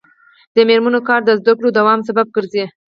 د میرمنو کار د زدکړو دوام سبب ګرځي.